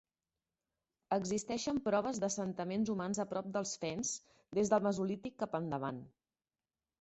Existeixen proves d'assentaments humans a prop dels Fens des del mesolític cap endavant.